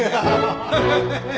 ハハハハ。